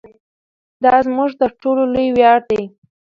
دا زموږ تر ټولو لوی ویاړ دی.